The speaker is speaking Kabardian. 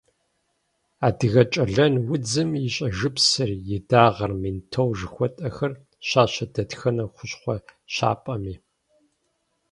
Адыгэкӏэлэн удзым и щӏэжыпсыр, и дагъэр, ментол жыхуэтӏэхэр щащэ дэтхэнэ хущхъуэ щапӏэми.